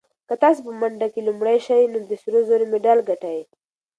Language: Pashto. که تاسي په منډه کې لومړی شئ نو د سرو زرو مډال ګټئ.